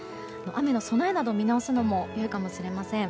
雨の備えなど、見直すのもいいかもしれません。